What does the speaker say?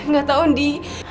gak tau ndi